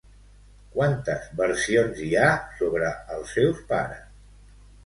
Quantes versions hi ha sobre els seus pares?